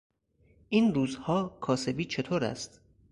این روزها کاسبی چطور است؟